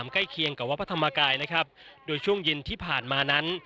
ใกล้เคียงกับวัดพระธรรมกายนะครับโดยช่วงเย็นที่ผ่านมานั้น